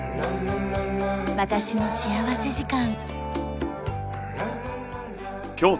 『私の幸福時間』。